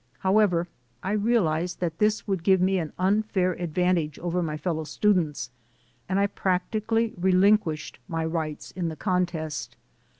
How ever, I realized that this would give me an unfair advantage over my fellow students, and I prac tically relinquished my rights in the contest.